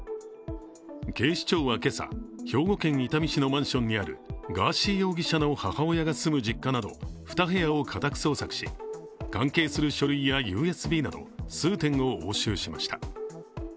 警視庁は今朝、兵庫県伊丹市のマンションにあるガーシー容疑者の母親が住む実家など２部屋を家宅捜索し、関係する書類やＵＳＢなど数点を押収しました。